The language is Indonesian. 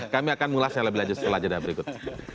kami akan mengulasnya lebih lanjut setelah jeda berikut